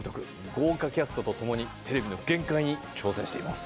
豪華キャストと共にテレビの限界に挑戦しています。